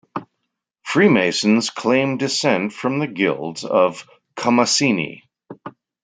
Freemasons claimed descent from the guilds of "comacini".